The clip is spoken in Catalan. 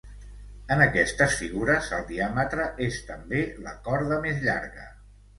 En aquestes figures, el diàmetre és també la corda més llarga.